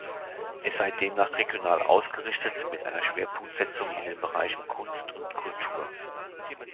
Es sei demnach regional ausgerichtet mit einer Schwerpunktsetzung in den Bereichen Kunst und Kultur.